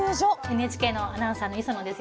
ＮＨＫのアナウンサーの礒野です。